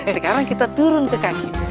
sekarang kita turun ke kaki